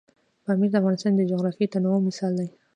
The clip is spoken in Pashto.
پامیر د افغانستان د جغرافیوي تنوع مثال دی.